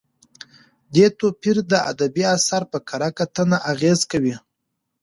دې توپیر د ادبي اثر په کره کتنه اغېز کوي.